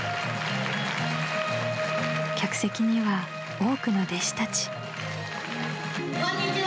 ［客席には多くの弟子たち］